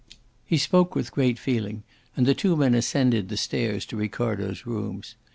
He spoke with great feeling, and the two men ascended the stairs to Ricardo's rooms.